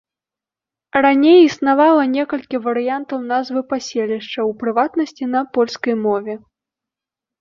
Раней існавала некалькі варыянтаў назвы паселішча, у прыватнасці, на польскай мове.